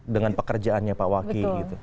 dengan pekerjaannya pak wakil gitu